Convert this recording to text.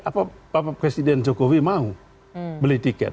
apa presiden jokowi mau beli tiket